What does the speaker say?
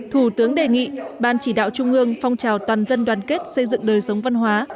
thủ tướng đề nghị ban chỉ đạo trung ương phong trào toàn dân đoàn kết xây dựng đời sống văn hóa